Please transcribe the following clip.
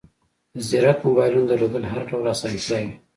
د زیرک موبایلونو درلودل هر ډول اسانتیاوې